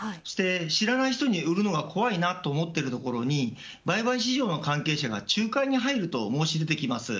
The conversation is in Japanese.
知らない人に売るのは怖いなと思っているところに売買市場の関係者が仲介に入ると申し出てきます。